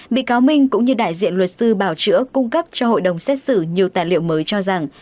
bị cáo minh cũng như đại diện luật sư bảo chữa cung cấp cho hội đồng xét xử nhiều tài liệu mới cho rằng